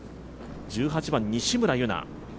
１８番、西村優菜